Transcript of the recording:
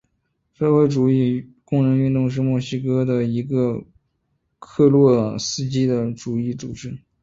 社会主义工人运动是墨西哥的一个托洛茨基主义组织。